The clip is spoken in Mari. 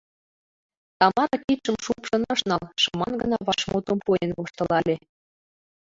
Тамара кидшым шупшын ыш нал, шыман гына вашмутым пуэн воштылале: